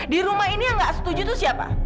di rumah ini yang gak setuju tuh siapa